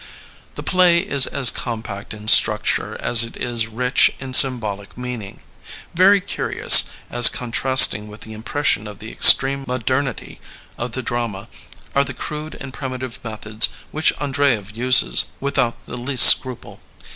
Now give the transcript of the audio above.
The play is as compact in structure as it is rich in symbolic meaning. Very curious, as contrasting with the impression of the extreme modernity of the drama, are the crude and primitive methods which Andreyev uses without the least scruple.